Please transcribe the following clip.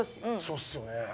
そうっすよね。